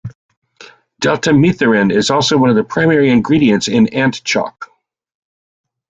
Deltamethrin is also one of the primary ingredients in ant chalk.